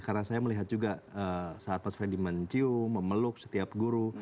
karena saya melihat juga saat mas freddy mencium memeluk setiap guru